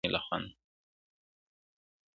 ته خبر یې د تودې خوني له خونده؟!٫